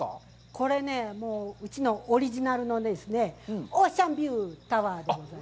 これね、もううちのオリジナルのですね、オーシャンビュータワーでございます。